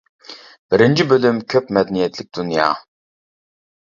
بىرىنچى بۆلۈم كۆپ مەدەنىيەتلىك دۇنيا